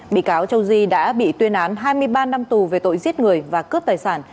bị cáo châu di đã bị tuyên án hai mươi ba năm tù về tội giết người và cướp tài sản